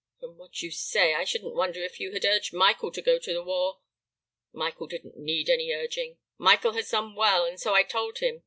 "From what you say, I shouldn't wonder if you had urged Michael to go to the war?" "Michael didn't need any urging, Michael has done well, and so I told him.